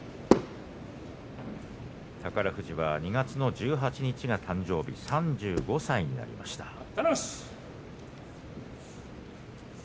宝富士は２月の１８日が誕生日３５歳になりました。